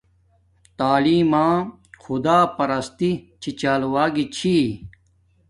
تعیلم ما خداپرستی چھی چال وگی چھی